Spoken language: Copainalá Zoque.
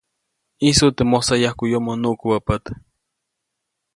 ʼĨjsut teʼ mosayajkuʼyomo nuʼkubä pät.